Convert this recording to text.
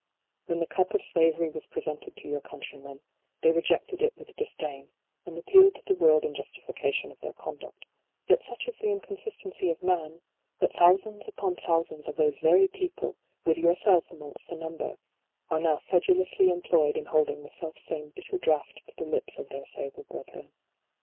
When the cup of slavery was presented to your countrymen, they rejected it with disdain, and appealed to the world in justification of their conduct j yet such is the inconsistency of man, that thousands upon thousands of those very people, with yourself amongst the number, are now sedulously em ployed in holding the self same bitter draught to the lips of their sable brethren.